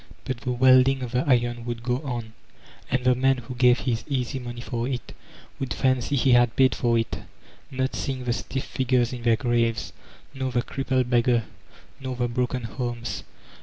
But the welding of the iron would go on, and the man who gave his easy money for it would fancy he had paid for it, not seeii^ the stiff figures in their graves, nor the crippled beg gar, nor the broken homes.